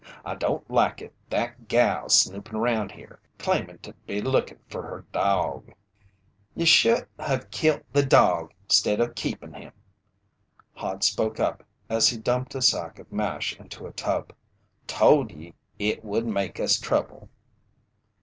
I don't like it that gal snoopin' around here, claimin' to be lookin' fer her dawg." "Ye should have kilt the dawg, stead o' keepin' him," Hod spoke up as he dumped a sack of mash into a tub. "Tole ye it would make us trouble."